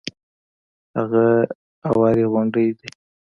هغه اوارې غونډې دي.